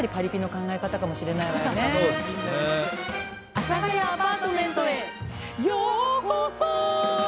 阿佐ヶ谷アパートメントへようこそ！